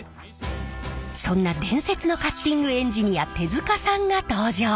そんな伝説のカッティングエンジニア手塚さんが登場！